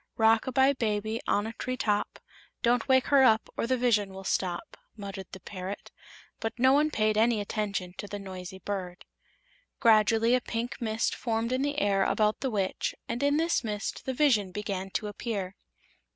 "Rock a bye, baby, on a tree top; Don't wake her up or the vision will stop," muttered the parrot; but no one paid any attention to the noisy bird. Gradually a pink mist formed in the air about the Witch and in this mist the vision began to appear.